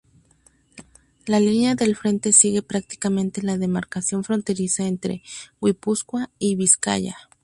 La línea del frente sigue prácticamente la demarcación fronteriza entre Guipúzcoa y Vizcaya.